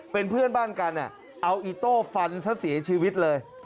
เป็นเพื่อนบ้านกันเอาอีโต้ฟันซะเสียชีวิตเลย